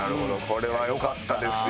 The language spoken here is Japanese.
これは良かったですよ。